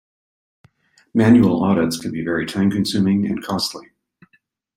Manual audits can be very time-consuming and costly.